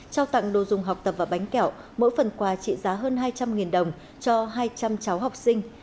trao tặng đồ dùng học tập và bánh kẹo mỗi phần quà trị giá hơn hai trăm linh đồng cho hai trăm linh cháu học sinh